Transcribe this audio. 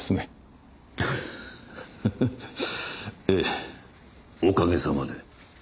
フフええおかげさまで。